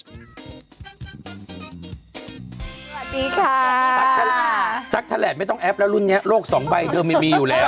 สวัสดีค่ะตั๊กแถลงตั๊กแถลงไม่ต้องแอปแล้วรุ่นนี้โลกสองใบเธอไม่มีอยู่แล้ว